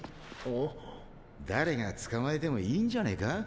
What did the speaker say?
誰が捕まえてもいいんじゃねぇか？